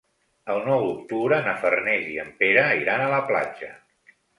El nou d'octubre na Farners i en Pere iran a la platja.